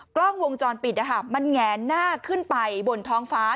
กล้องวงจรปิดมันแงนหน้าขึ้นไปบนท้องฟ้า